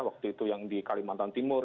waktu itu yang di kalimantan timur